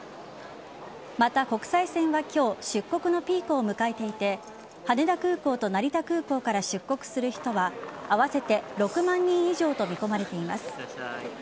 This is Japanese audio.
また、国際線は今日出国のピークを迎えていて羽田空港と成田空港から出国する人は合わせて６万人以上と見込まれています。